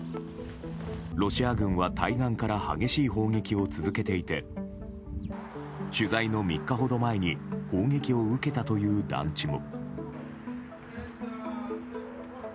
ロシア軍は対岸から激しい砲撃を続けていて取材の３日ほど前に砲撃を受けたという団地も。